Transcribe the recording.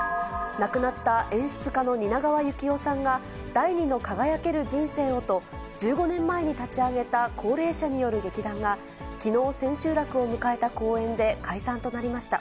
亡くなった演出家の蜷川幸雄さんが第２の輝ける人生をと、１５年前に立ち上げた高齢者による劇団が、きのう千秋楽を迎えた公演で解散となりました。